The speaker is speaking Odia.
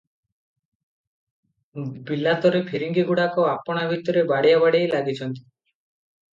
ବିଲାତରେ ଫିରିଙ୍ଗୀଗୁଡାକ ଆପଣା ଭିତରେ ବାଡ଼ିଆବାଡ଼େଇ ଲାଗିଛନ୍ତି ।